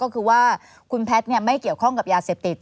คุณแพ็ดไม่เกี่ยวข้องกับยาเสพติด